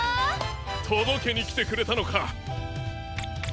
とどけにきてくれたのか！